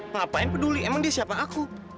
ngapain peduli emang dia siapa aku